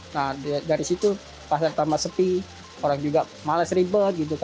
nah dari situ pasar tambah sepi orang juga malas ribet gitu kan